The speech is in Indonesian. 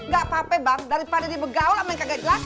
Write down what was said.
gak apa apa bang daripada dia bergaul ama yang kagak jelas